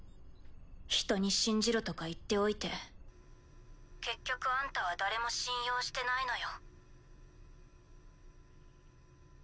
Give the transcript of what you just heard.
人に信じろとか言っておいて結局あんたは誰も信用してないのよ。